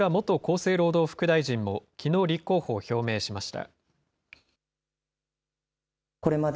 生労働副大臣も、きのう立候補を表明しました。